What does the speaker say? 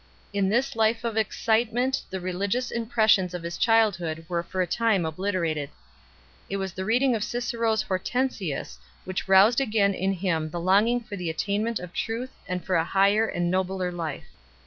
In this life of excitement the religious impressions of his childhood were for a time obliterated. It was the reading of Cicero s Hortensius which roused again in him the longing for the attainment of truth and for a higher and nobler life 3